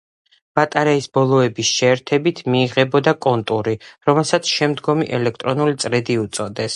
ბატარეის ბოლოების შეერთებით მიიღებოდა კონტური, რომელსაც შემდგომში ელექტრული წრედი უწოდეს.